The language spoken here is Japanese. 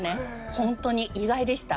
本当に意外でした